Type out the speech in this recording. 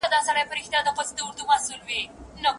لوڼي د ميراث حق لري.